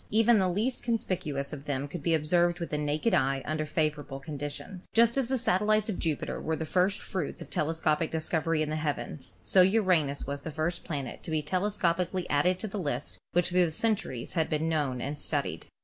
Even the least conspicuous of them could be observed with the naked eye under favorable conditions. Just as the satellites of Jupiter were the first fruits of telescopic discovery in the heavens, so Uranus was the first planet to be telescopically added to the list which through centuries had been known and studied.